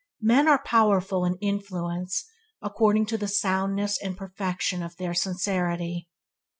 Men are powerful in influence according to the soundness and perfection of their sincerity.